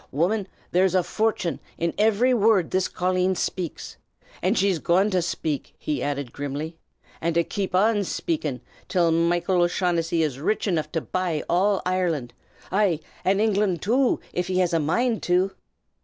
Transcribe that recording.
Woman, there's a fortin' in ivery wurrd this colleen shpakes! And she's goin' to shpake," he added, grimly, "and to kape an shpakin', till Michael O'Shaughnessy is rich enough to buy all Ireland, ay, and England too, av he'd a mind to!"